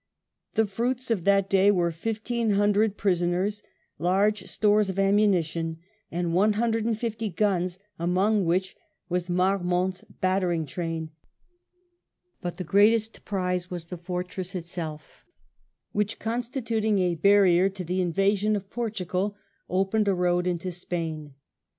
The fruits of that day, were fifteen hundred prisoners, large stores of ammunition and one hundred and fifty guns, among which was Marmont^s battering train ; but the greatest prize was the fortress itself, which, constitut ing a barrier to the invasion of Portugal, opened a road into Spain.